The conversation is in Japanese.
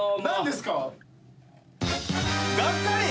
何ですか？